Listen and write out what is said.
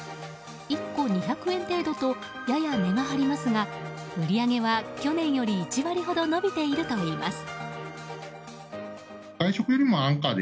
１個２００円程度とやや値が張りますが売り上げは、去年より１割ほど伸びているといいます。